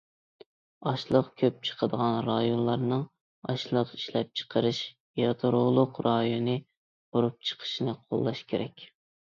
ئاشلىق كۆپ چىقىدىغان رايونلارنىڭ ئاشلىق ئىشلەپچىقىرىش يادرولۇق رايونى قۇرۇپ چىقىشىنى قوللاش كېرەك.